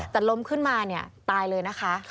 แต่ล้มขึ้นมาเนี่ยตายเลยนะคะ